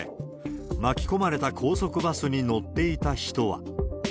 巻き込まれた高速バスに乗っていた人は。